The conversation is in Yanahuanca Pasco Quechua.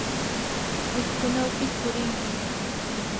wiskunawpis purinki.